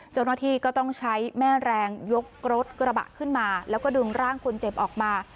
เจ้าหน้าที่ก็ต้องใช้แม่แรงยกรถกระบะขึ้นมาแล้วก็ดึงร่างคนเจ็บออกมา